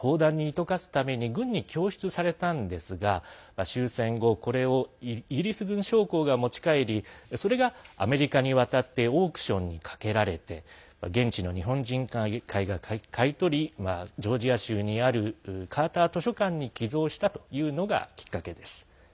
この町にある寺の鐘が戦時中に砲弾にするために軍に供出されたのですが終戦後、それをイギリス軍将校が持ち帰り、それがアメリカに渡りオークションにかけられて現地の日本人会が買い取りジョージア州にあるカーター図書館に寄贈したというのがきっかけです。